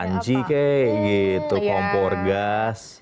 panji kek gitu kompor gas